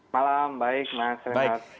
malam baik mas renhat